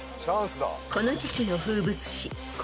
［この時季の風物詩］